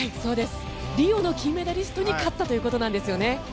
リオの金メダリストに勝ったということですよね。